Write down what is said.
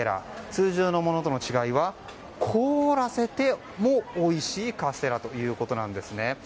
通常のものとの違いは凍らせてもおいしいカステラということです。